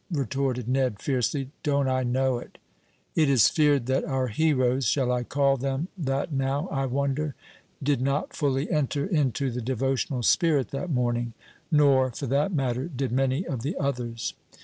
retorted Ned, fiercely. "Don't I know it!" It is feared that our heroes shall I call them that now, I wonder? did not fully enter into the devotional spirit that morning. Nor, for that matter, did many of the others.